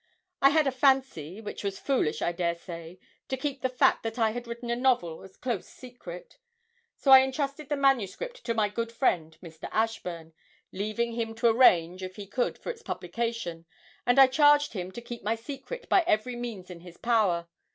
I had a fancy (which was foolish, I dare say) to keep the fact that I had written a novel a close secret. So I entrusted the manuscript to my good friend, Mr. Ashburn, leaving him to arrange, if he could, for its publication, and I charged him to keep my secret by every means in his power.